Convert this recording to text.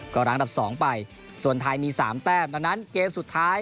ก็ร้างดับสองไปส่วนไทยมี๓แต้มดังนั้นเกมสุดท้าย